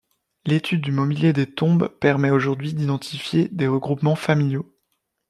L'étude du mobilier des tombes permets aujourd'hui d'identifier des regroupements familiaux.